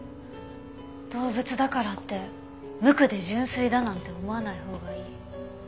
動物だからって無垢で純粋だなんて思わないほうがいい。